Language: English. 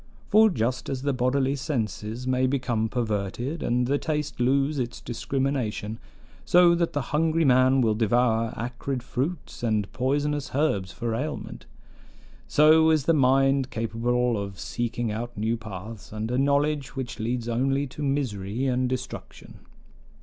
For just as the bodily senses may become perverted, and the taste lose its discrimination, so that the hungry man will devour acrid fruits and poisonous herbs for aliment, so is the mind capable of seeking out new paths, and a knowledge which leads only to misery and destruction.